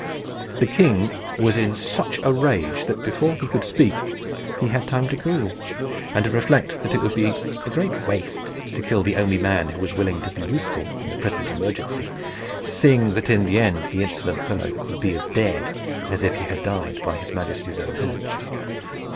The king was in such a rage that before he could speak he had time to cool, and to reflect that it would be great waste to kill the only man who was willing to be useful in the present emergency, seeing that in the end the insolent fellow would be as dead as if he had died by his majesty's own hand.